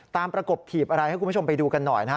ประกบถีบอะไรให้คุณผู้ชมไปดูกันหน่อยนะฮะ